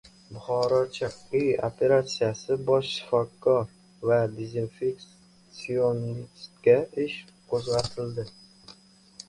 Buxorocha «Ы operatsiyasi». Bosh shifokor va dezinfeksionistga «ish» qo‘zg‘atildi